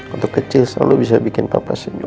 waktu kecil selalu bisa bikin papa senyum